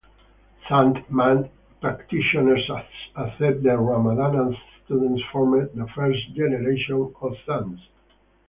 Sant Mat practitioners accept that Ramananda's students formed the first generation of Sants.